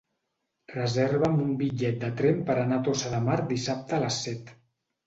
Reserva'm un bitllet de tren per anar a Tossa de Mar dissabte a les set.